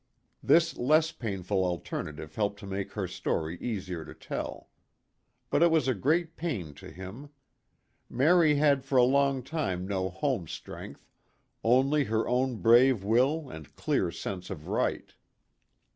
This less painful alternative helped to make her story easier to tell. But it was a great pain to him. Mary had for a long time no home strength only her own brave will and clear sense of right.